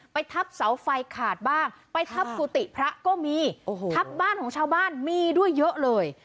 ทับเสาไฟขาดบ้างไปทับกุฏิพระก็มีทับบ้านของชาวบ้านมีด้วยเยอะเลย